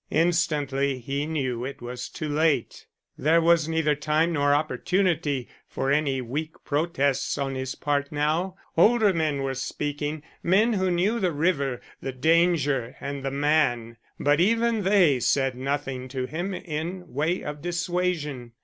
Instantly he knew it was too late. There was neither time nor opportunity for any weak protests on his part now. Older men were speaking; men who knew the river, the danger, and the man, but even they said nothing to him in way of dissuasion.